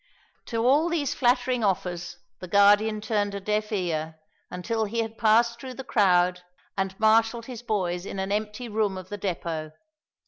To all these flattering offers the Guardian turned a deaf ear, until he had passed through the crowd and marshalled his boys in an empty room of the depot.